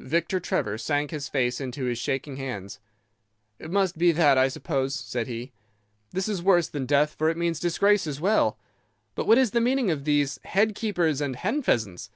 "Victor Trevor sank his face into his shaking hands. 'It must be that, I suppose,' said he. 'This is worse than death, for it means disgrace as well. But what is the meaning of these "head keepers" and "hen pheasants"?